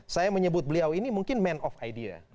saya menyebut beliau ini mungkin man of idea